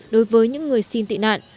đối với những người xin tị nạn